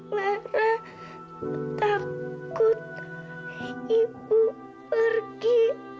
lara takut ibu pergi